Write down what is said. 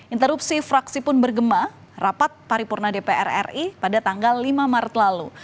interupsi fraksi pun bergema rapat paripurna dpr ri pada tanggal lima maret lalu